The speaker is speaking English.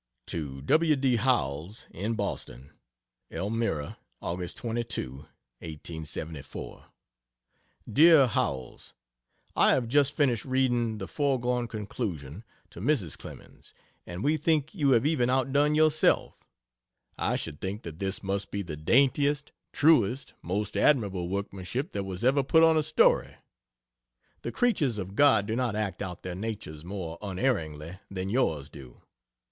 To W. D. Howells, in Boston: ELMIRA, Aug. 22, 1874. DEAR HOWELLS, I have just finished reading the 'Foregone Conclusion' to Mrs. Clemens and we think you have even outdone yourself. I should think that this must be the daintiest, truest, most admirable workmanship that was ever put on a story. The creatures of God do not act out their natures more unerringly than yours do.